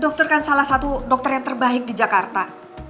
dokter kan salah satu dokter yang terbaik di jakarta